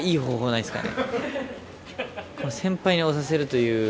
ないですか。